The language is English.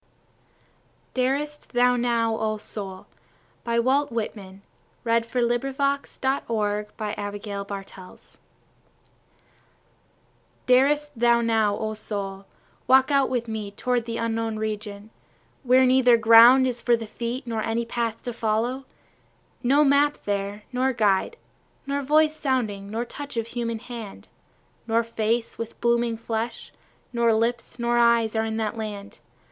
est Thou Now O Soul Updated September 23, 2019 | Infoplease Staff Darest Thou Now O SoulDarest thou now O soul, Walk out with me toward the unknown region, Where neither ground is for the feet nor any path to follow? No map there, nor guide, Nor voice sounding, nor touch of human hand, Nor face with blooming flesh, nor lips, nor eyes, are in that land.